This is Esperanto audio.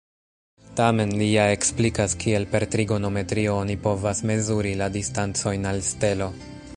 Tamen, li ja eksplikas, kiel per trigonometrio oni povas mezuri la distancojn al stelo.